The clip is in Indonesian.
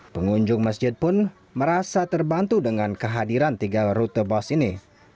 pengunjung masjid pun merasa terbantu dengan kehadiran tiga rute bus ini